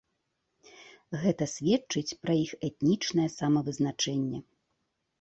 Гэта сведчыць пра іх этнічнае самавызначэнне.